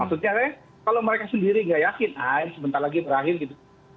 maksudnya saya kalau mereka sendiri nggak yakin ah ini sebentar lagi berakhir gitu